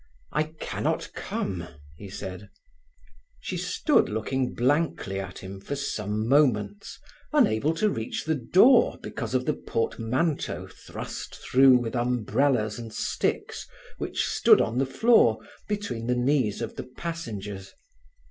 "I cannot come," he said. She stood looking blankly at him for some moments, unable to reach the door because of the portmanteau thrust through with umbrellas and sticks, which stood on the floor between the knees of the passengers.